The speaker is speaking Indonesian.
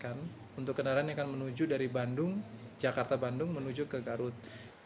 untuk kendaraan yang akan menuju dari bandung jakarta bandung menuju ke garut